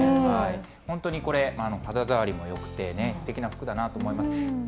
本当にこれ、肌触りもよくてね、すてきな服だなと思います。